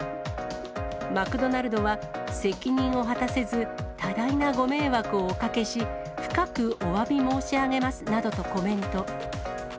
マクドナルドは、責任を果たせず多大なご迷惑をおかけし、深くおわび申し上げますなどとコメント。